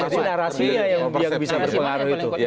narasi mana yang paling kuat